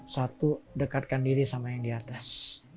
satu dekatkan diri sama yang di atas